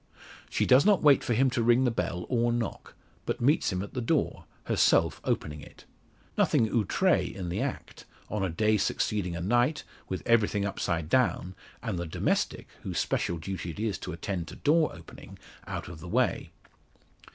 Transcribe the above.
She does not wait for him to ring the bell, or knock; but meets him at the door, herself opening it. Nothing outre in the act, on a day succeeding a night, with everything upside down, and the domestic, whose special duty it is to attend to door opening, out of the way.